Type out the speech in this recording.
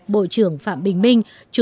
bộ trưởng phạm bình minh